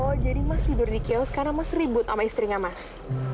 oh jadi mas tidur di kios karena mas ribut sama istrinya mas